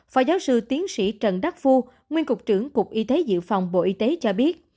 phó giáo sư tiến sĩ trần đắc phu nguyên cục trưởng cục y tế dự phòng bộ y tế cho biết